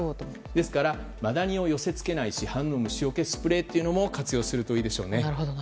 ですからマダニを寄せ付けない市販の虫よけスプレーも活用するといいですね。